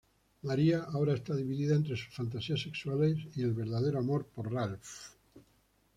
María ahora está dividida entre sus fantasías sexuales y verdadero amor por Ralf.